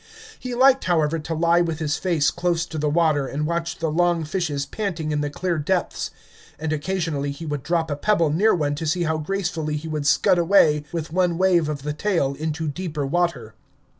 He liked, however, to lie with his face close to the water and watch the long fishes panting in the clear depths, and occasionally he would drop a pebble near one to see how gracefully he would scud away with one wave of the tail into deeper water.